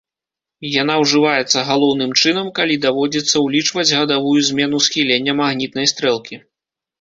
Яна ўжываецца галоўным чынам, калі даводзіцца ўлічваць гадавую змену схілення магнітнай стрэлкі.